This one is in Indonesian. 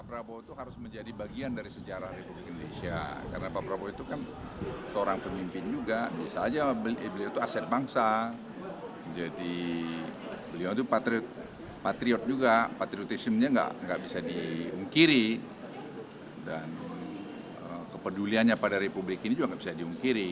luhut juga patriotismenya tidak bisa diungkiri dan kepeduliannya pada republik ini juga tidak bisa diungkiri